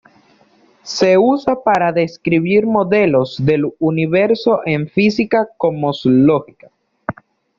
Se usa para describir modelos del universo en física cosmológica.